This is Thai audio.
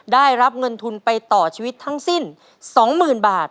ได้รับเงินทุนไปต่อชีวิตทั้งสิ้น๒๐๐๐บาท